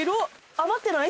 余ってない？